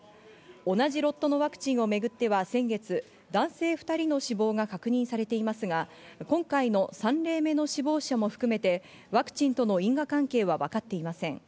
同じロットのワクチンをめぐっては先月、男性２人の死亡が確認されていますが、今回の３例目の死亡者も含めてワクチンとの因果関係は分かっていません。